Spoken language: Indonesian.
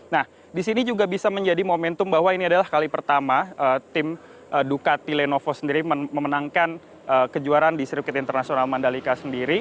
nah disini juga bisa menjadi momentum bahwa ini adalah kali pertama tim ducati lenovo sendiri memenangkan kejuaraan di sirkuit internasional mandalika sendiri